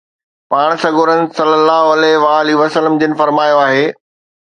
پاڻ سڳورن صلي الله عليھ و آلھ وسلم جن فرمايو آهي